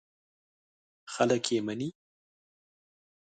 خلک یې مني.